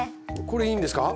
これいいんですか？